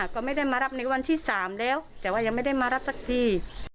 ก็ไม่ได้มารับในวันที่๓แล้วแต่ว่ายังไม่ได้มารับสักที